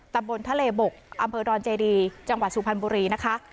ตำบลทะเลบกอำเภอดอนเจดีจังหวัดสุพรรณบุรีนะคะ